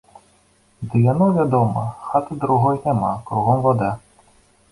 Ды яно, вядома, хаты другой няма, кругом вада.